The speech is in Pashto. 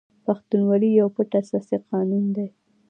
پښتونولي یو پټ اساسي قانون دی.